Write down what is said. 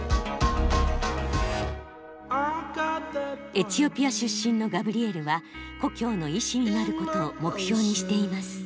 エチオピア出身のガブリエルは故郷の医師になることを目標にしています。